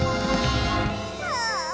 「ああ」